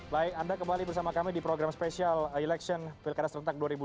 baik anda kembali bersama kami di program spesial election pilkada serentak dua ribu dua puluh